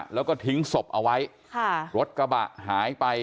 แล้วก็ทิ้งศพเอาไว้ค่ะรถกระบะหายไป